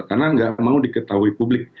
karena nggak mau diketahui publik